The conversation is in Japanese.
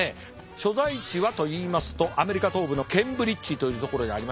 所在地はといいますとアメリカ東部のケンブリッジというところにありまして。